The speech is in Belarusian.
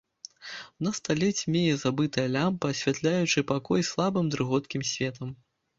На стале цьмее забытая лямпа, асвятляючы пакой слабым дрыготкім светам.